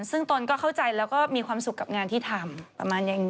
ซึ่งตนก็เข้าใจแล้วก็มีความสุขกับงานที่ทำประมาณอย่างนี้